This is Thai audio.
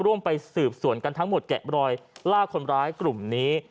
ร่วมไปสืบสวนกันทั้งหมดแกะบรอยล่าคนร้ายกลุ่มนี้